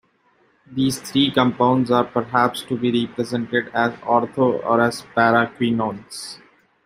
These three compounds are perhaps to be represented as ortho- or as para-quinones.